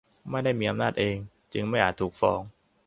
ไม่ได้มีอำนาจเอง จึงไม่อาจถูกฟ้อง